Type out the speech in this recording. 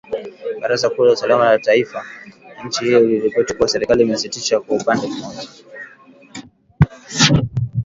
baraza kuu la usalama la taifa la nchi hiyo iliripoti kuwa serikali imesitisha kwa upande mmoja